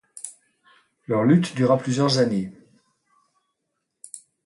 Leur lutte dura plusieurs années.